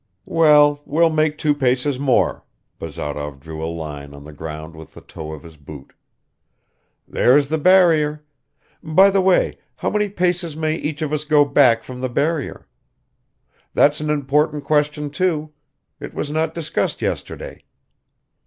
"Well, we'll make two paces more," Bazarov drew a line on the ground with the toe of his boot. "There's the barrier. By the way, how many paces may each of us go back from the barrier? That's an important question too. It was not discussed yesterday."